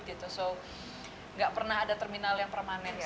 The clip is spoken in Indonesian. tidak pernah ada terminal yang permanen